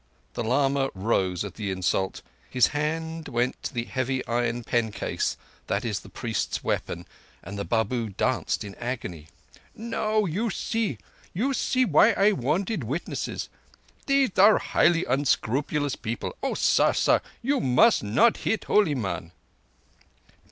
The lama rose at the insult; his hand went to the heavy iron pencase that is the priest's weapon, and the Babu danced in agony. "Now you see—you see why I wanted witnesses. They are highly unscrupulous people. Oh, sar! sar! You must not hit holyman!"